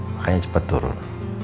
makanya cepet turun